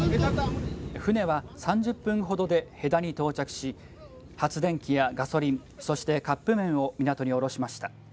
船は３０分ほどで平田に到着し発電機やガソリンそしてカップ麺を港に降ろしました。